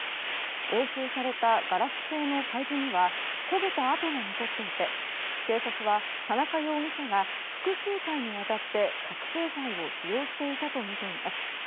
押収されたガラス製のパイプには焦げた跡が残っていて警察は田中容疑者が複数回にわたって覚醒剤を使用していたとみています。